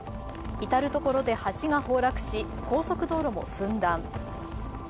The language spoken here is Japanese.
至る所で橋が崩落し、高速道路も寸断。